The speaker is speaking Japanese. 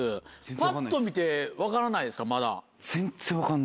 ぱっと見て分からないですかまだ。